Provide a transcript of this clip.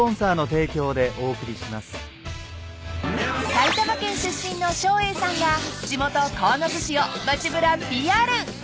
［埼玉県出身の照英さんが地元鴻巣市を街ぶらＰＲ］